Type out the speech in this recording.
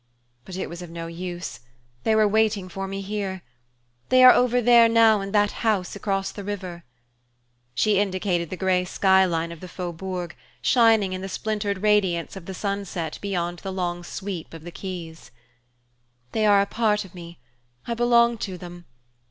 But it was of no use they were waiting for me here. They are over there now in that house across the river." She indicated the grey sky line of the Faubourg, shining in the splintered radiance of the sunset beyond the long sweep of the quays. "They are a part of me I belong to them.